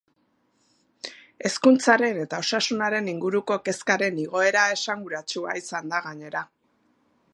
Hezkuntzaren eta osasunaren inguruko kezkaren igoera esanguratsua izan da, gainera.